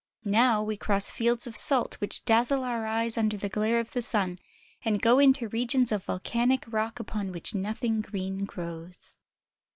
Now we cross fields of salt which dazzle our eyes under the glare of the sun, and go into regions of volcanic rock upon which nothing green grows.